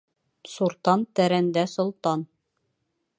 Суртан тәрәндә солтан.